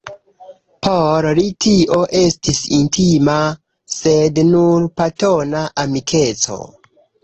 Por li tio estis intima, sed nur platona amikeco.